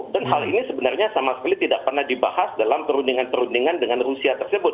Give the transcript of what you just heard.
dan hal ini sebenarnya sama sekali tidak pernah dibahas dalam perundingan perundingan dengan rusia tersebut